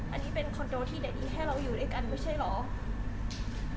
อันนี้เป็นคอนโดที่เด็กดีแค่เราอยู่ด้วยกันไม่ใช่เหรอ